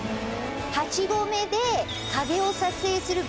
８合目で。